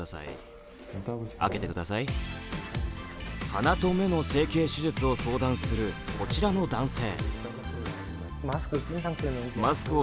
鼻と目の整形手術を相談するこちらの男性。